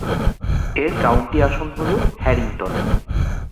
এর কাউন্টি আসন হল হ্যারিংটন।